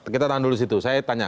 kita tahan dulu di situ saya tanya